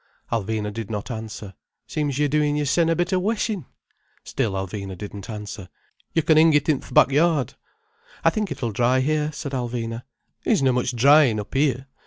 Alvina did not answer. "Seems yer doin' yersen a bit o' weshin'." Still Alvina didn't answer. "Yo' can 'ing it i' th' back yard." "I think it'll dry here," said Alvina. "Isna much dryin' up here.